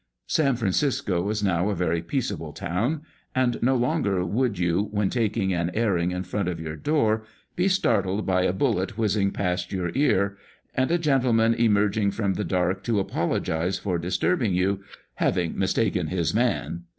San Francisco is now a very peaceable town, and no longer would you, when taking an airing in front of your door, be startled by a bullet whizzing past your ear, and a gentleman emerg ing from the dark to apologise for disturbing you, " having mistaken his man."